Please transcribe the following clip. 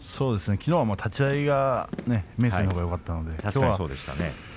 きのうは立ち合い明生のほうがよかったです。